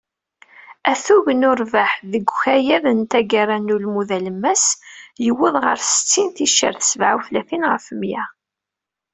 Atug n urbaḥ deg ukayad n taggara n ulmud alemmas, yewweḍ ɣer settin ticcert sebεa u tlatin ɣef mya.